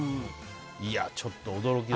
いや、ちょっと驚き。